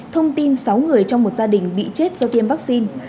thông tin sáu người trong một gia đình bị chết sau khi tiêm vaccine